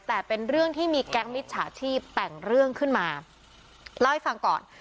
แต่เป็นเรื่องที่มีแก๊งมิจฉาชีพแต่งเรื่องขึ้นมาเล่าให้ฟังก่อน